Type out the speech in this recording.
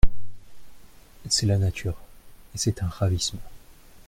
C'est la nature, et c'est un ravissement.